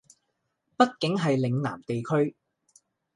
畢竟係嶺南地區